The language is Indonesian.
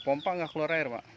pompa nggak keluar air pak